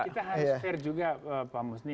kita harus fair juga pak musni